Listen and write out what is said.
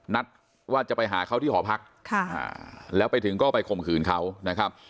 นัดว่าจะไปหาเขาที่หอพักแล้วไปถึงก็ไปข่มขืนเขานะครับ